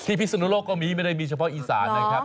พิศนุโลกก็มีไม่ได้มีเฉพาะอีสานนะครับ